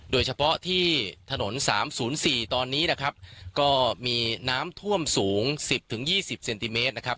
โดยเฉพาะที่ถนนสามศูนย์สี่ตอนนี้นะครับก็มีน้ำท่วมสูงสิบถึงยี่สิบเซนติเมตรนะครับ